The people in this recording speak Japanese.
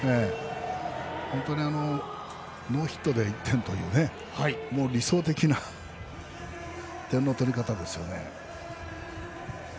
本当にノーヒットで１点という理想的な点の取り方ですよね。